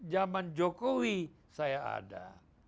zaman jokowi saya ada